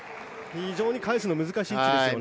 非常に返すのが難しい位置ですよね。